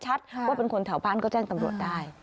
ว่าเป็นคนแถวบ้านก็แจ้งตำรวจได้